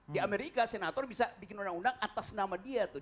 di amerika senator bisa bikin undang undang atas nama dia tuh